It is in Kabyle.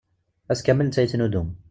Ass kamel netta yettnuddum.